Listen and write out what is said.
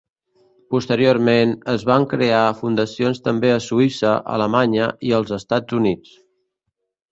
Posteriorment, es van crear fundacions també a Suïssa, Alemanya i els Estats Units.